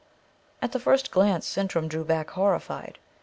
At the first glance Sintram drew back horrified.